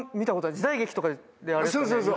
時代劇とかであれですよね。